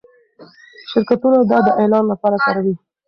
شرکتونه دا د اعلان لپاره کاروي.